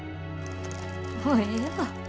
もうええわ。